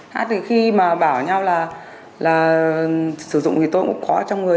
hát từ khi mà bảo nhau là sử dụng thì tôi cũng có trong người